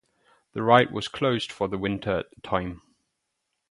The ride was closed for the winter at the time.